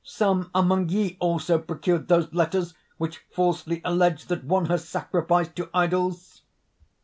Some among ye also procured those letters which falsely allege that one has sacrificed to idols."